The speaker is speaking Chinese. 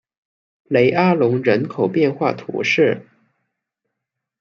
雷阿隆人口变化图示